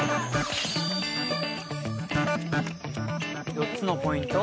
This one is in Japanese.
４つのポイント？